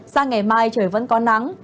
sang ngày mai trời vẫn có nắng